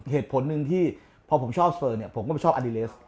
เหตุผลหนึ่งที่พอผมชอบเซอร์เนี่ยผมก็ไม่ชอบอดิเลส